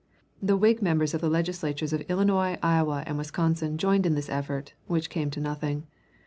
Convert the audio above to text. The Whig members of the Legislatures of Illinois, Iowa, and Wisconsin joined in this effort, which came to nothing.